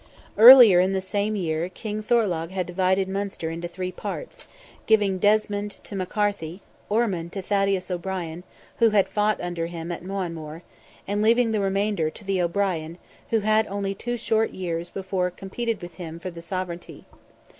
Earlier in the same year, King Thorlogh had divided Munster into three parts, giving Desmond to MacCarthy, Ormond to Thaddeus O'Brien, who had fought under him at Moanmore, and leaving the remainder to the O'Brien, who had only two short years before competed with him for the sovereignty.